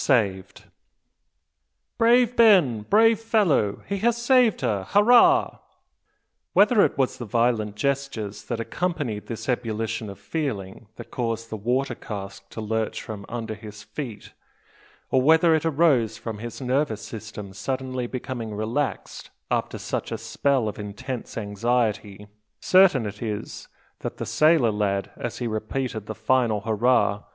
SAVED! "Brave Ben! brave fellow! he has saved her! Hurrah!" Whether it was the violent gestures that accompanied this ebullition of feeling that caused the water cask to lurch from under his feet, or whether it arose from his nervous system suddenly becoming relaxed after such a spell of intense anxiety, certain it is that the sailor lad, as he repeated the final "Hurrah!"